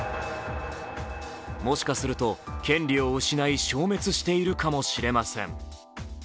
もしかすると権利を失い消滅しているかもしれません。